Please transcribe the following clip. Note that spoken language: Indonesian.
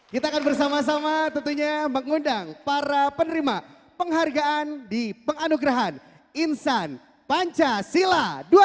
kita akan bersama sama tentunya mengundang para penerima penghargaan di penganugerahan insan pancasila dua ribu dua puluh